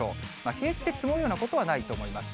平地で積もるようなことはないと思います。